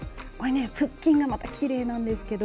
腹筋が、またきれいなんですけど。